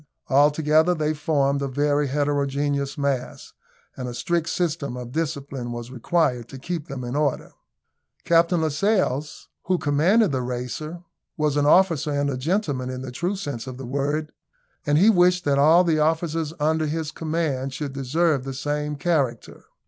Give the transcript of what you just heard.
Altogether they formed a very heterogeneous mass, and a strict system of discipline was required to keep them in order. Captain Lascelles, who commanded the Racer, was an officer and a gentleman in the true sense of the word, and he wished that all the officers under his command should deserve the same character.